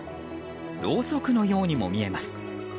ろうそくのようにも見えます。